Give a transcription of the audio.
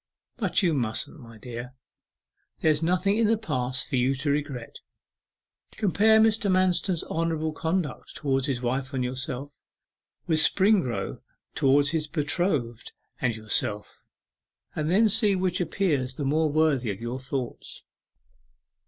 'But you mustn't, my dear. There's nothing in the past for you to regret. Compare Mr. Manston's honourable conduct towards his wife and yourself, with Springrove towards his betrothed and yourself, and then see which appears the more worthy of your thoughts.